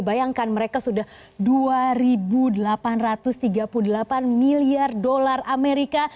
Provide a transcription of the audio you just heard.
bayangkan mereka sudah dua delapan ratus tiga puluh delapan miliar dolar amerika